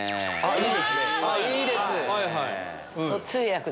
いいですね。